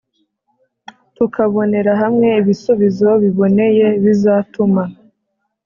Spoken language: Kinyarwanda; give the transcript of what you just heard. tukabonera hamwe ibisubizo biboneye bizatuma